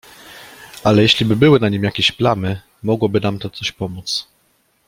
"Ale, jeśliby były na nim jakieś plamy, mogłoby nam to coś pomóc."